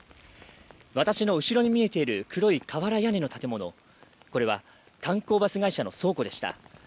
私の後ろに見えている黒い瓦屋根の建物、これは観光バス会社の倉庫でした。